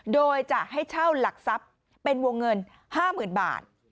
โดยจะให้เช่าหลักทรัพย์เป็นวงเงิน๕๐๐๐บาท